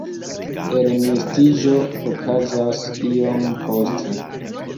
Elnestiĝo okazas iom poste.